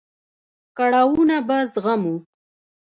کړاوونه به زغمو.